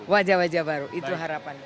wajah wajah baru itu harapan